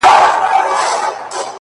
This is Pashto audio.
زارۍ ـ